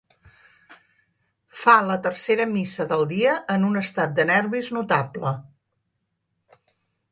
Fa la tercera missa del dia en un estat de nervis notable.